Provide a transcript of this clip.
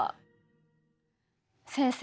先生